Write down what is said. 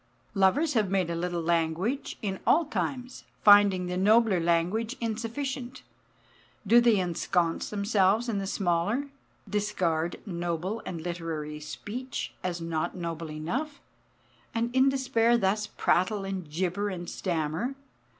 Lovers have made a little language in all times; finding the nobler language insufficient, do they ensconce themselves in the smaller? discard noble and literary speech as not noble enough, and in despair thus prattle and gibber and stammer?